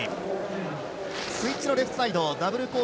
スイッチのレフトサイドダブル